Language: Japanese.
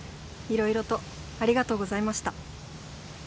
色々とありがとうございました。